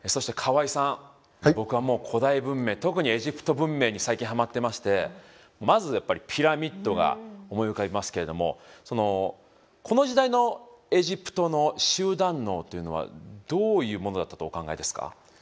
僕は古代文明特にエジプト文明に最近はまってましてまずやっぱりピラミッドが思い浮かびますけれどもこの時代のエジプトの集団脳というのはどういうものだったとお考えですか。